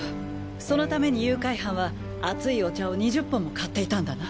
そのために誘拐犯は熱いお茶を２０本も買っていたんだな。